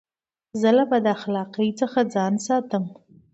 زه له بداخلاقۍ څخه ځان ساتم.